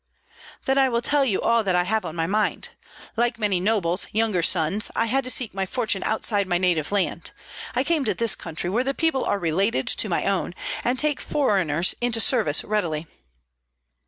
"Then I will tell you all that I have on my mind. Like many nobles, younger sons, I had to seek my fortune outside my native land. I came to this country where the people are related to my own, and take foreigners into service readily."